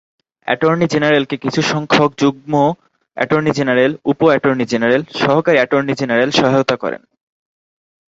Attorney জেনারেলকে কিছু সংখ্যক যুগ্ম অ্যাটর্নি জেনারেল, উপ অ্যাটর্নি জেনারেল, সহকারী অ্যাটর্নি জেনারেল সহায়তা করেন।